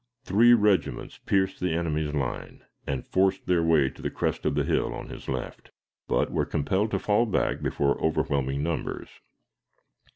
Three regiments pierced the enemy's line, and forced their way to the crest of the hill on his left, but were compelled to fall back before overwhelming numbers.